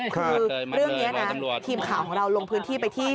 คือเรื่องนี้นะทีมข่าวของเราลงพื้นที่ไปที่